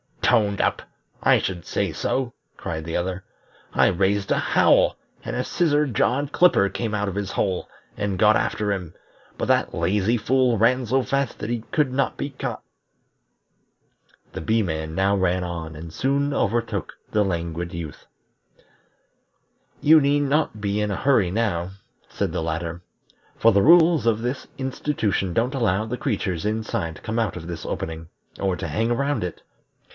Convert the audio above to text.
"Toned up! I should say so!" cried the other. "I raised a howl, and a Scissor jawed Clipper came out of his hole, and got after him; but that lazy fool ran so fast that he could not be caught." The Bee man now ran on and soon overtook the Languid Youth. "You need not be in a hurry now," said the latter, "for the rules of this institution don't allow the creatures inside to come out of this opening, or to hang around it.